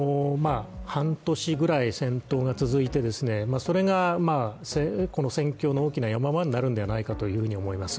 半年ぐらい戦闘が続いて、それがこの戦況の大きな山場になるんではないかと思います。